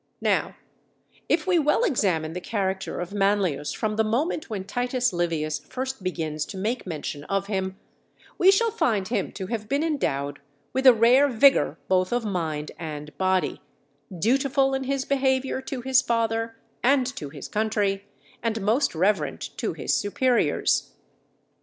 Now, if we well examine the character of Manlius from the moment when Titus Livius first begins to make mention of him, we shall find him to have been endowed with a rare vigour both of mind and body, dutiful in his behaviour to his father and to his country, and most reverent to his superiors.